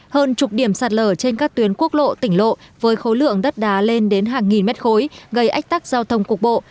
hơn chục điểm sạt lở trên các tuyến quốc lộ tỉnh lộ với khối lượng đất đá lên đến hàng nghìn mét khối gây ách tắc giao thông cục bộ